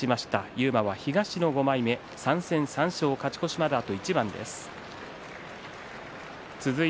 勇磨は東の５枚目３戦３勝、勝ち越しまであと一番です。